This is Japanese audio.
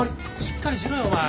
しっかりしろよお前。